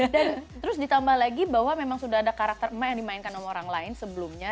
dan terus ditambah lagi bahwa memang sudah ada karakter emak yang dimainkan sama orang lain sebelumnya